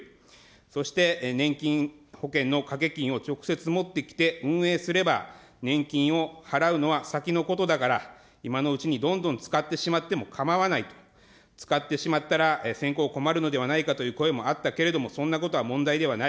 そして年金保険のかけ金を直接持ってきて運営すれば、年金を払うのは先のことだから、今のうちにどんどん使ってしまっても構わないと、使ってしまったら、先行、困るのではないかという声もあったけれども、そんなことは問題ではない。